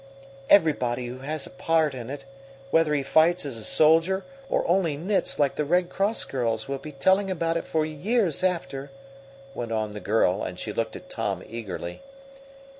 "Everybody who has a part in it whether he fights as a soldier or only knits like the Red Cross girls will be telling about it for years after," went on the girl, and she looked at Tom eagerly.